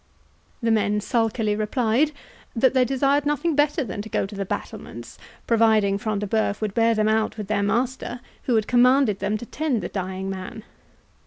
The men sulkily replied, "that they desired nothing better than to go to the battlements, providing Front de Bœuf would bear them out with their master, who had commanded them to tend the dying man."